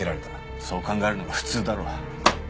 そう考えるのが普通だろう。